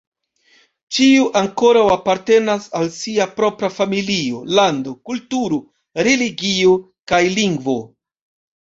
Ĉiu ankoraŭ apartenas al sia propra familio, lando, kulturo, religio, kaj lingvo.